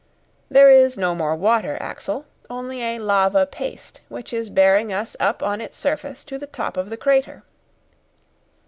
"There is no more water, Axel; only a lava paste, which is bearing us up on its surface to the top of the crater."